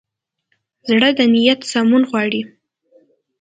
زړه د نیت سمون غواړي.